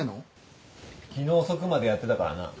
昨日遅くまでやってたからな。